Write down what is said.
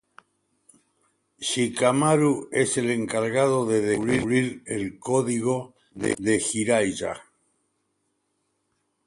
Shikamaru es el encargado de descubrir el código de Jiraiya.